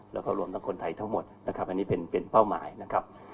แล้วก็รวมทั้งคนไทยทั้งหมดนะครับอันนี้เป็นเป้าหมายนะครับ